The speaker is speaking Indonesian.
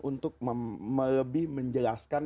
untuk lebih menjelaskan